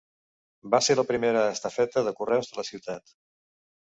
Va ser la primera estafeta de correus de la ciutat.